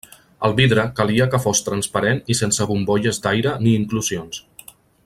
El vidre calia que fos transparent i sense bombolles d'aire ni inclusions.